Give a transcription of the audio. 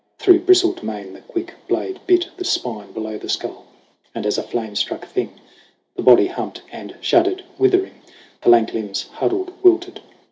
Through bristled mane the quick blade bit the spine Below the skull ; and as a flame struck thing The body humped and shuddered, withering; The lank limbs huddled, wilted.